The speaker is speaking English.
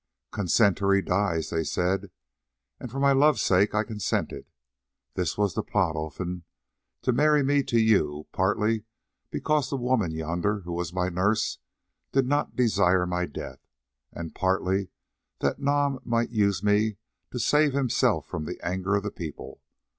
"'Consent, or he dies,' they said, and for my love's sake I consented. This was the plot, Olfan: to marry me to you, partly because the woman yonder, who was my nurse, did not desire my death, and partly that Nam might use me to save himself from the anger of the people.